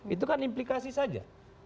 itu kan implikasi saja